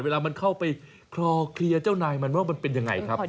เวลามันเข้าไปคลอเคลียร์เจ้านายมันว่ามันเป็นยังไงครับ